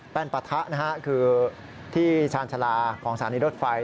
ปะทะนะฮะคือที่ชาญชาลาของสถานีรถไฟ